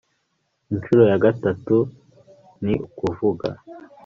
incuro ya gatatu, ni ukuvuga